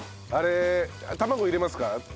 あれ卵入れますか？